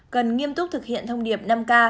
cần nghiêm túc thực hiện thông điệp năm k